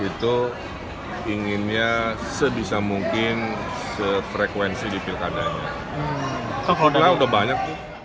itu inginnya sebisa mungkin sefrekuensi di pilkada udah banyak